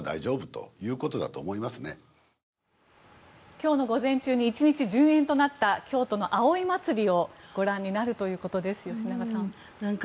今日の午前中に１日順延となった京都の葵祭をご覧になるということです、吉永さん。